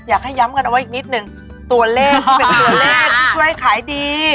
อยากให้ย้ำกันเอาไว้อีกนิดนึงตัวเลขที่เป็นตัวเลขที่ช่วยขายดี